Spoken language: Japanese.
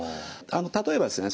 例えばですね